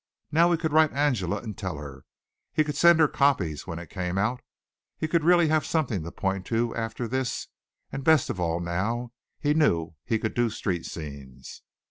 Now he could write Angela and tell her. He could send her copies when it came out. He could really have something to point to after this and best of all, now he knew he could do street scenes.